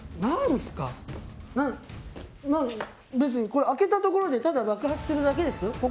何別にこれ開けたところでただ爆発するだけですよ？